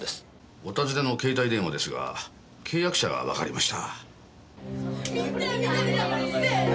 お尋ねの携帯電話ですが契約者がわかりました。